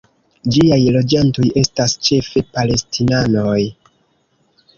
Ĝiaj loĝantoj estas ĉefe palestinanoj.